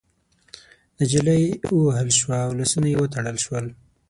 نجلۍ ووهل شوه او لاسونه يې وتړل شول.